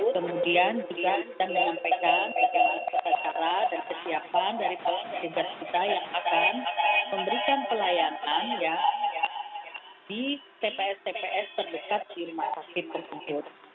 kemudian juga kita menyampaikan segala cara dan kesiapan dari petugas kita yang akan memberikan pelayanan di tps tps terdekat di rumah sakit tersebut